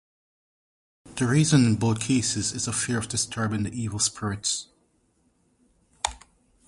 The reason in both cases is a fear of disturbing the evil spirits.